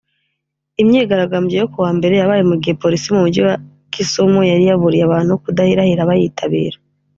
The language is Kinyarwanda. Imyigaragambyo yo kuwa mbere yabaye mu gihe Polisi mu Mujyi wa Kisumu yari yaburiye abantu kudahirahira bayitabira